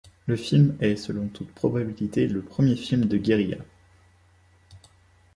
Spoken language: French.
Le film est, selon toute probabilité, le premier film de guérilla.